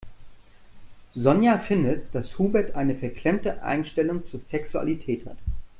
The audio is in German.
Sonja findet, dass Hubert eine verklemmte Einstellung zur Sexualität hat.